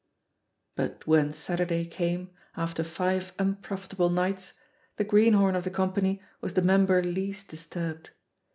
'* But when Saturday came, after five unprofit able nights, the greenhorn of the company was the member least disturbed.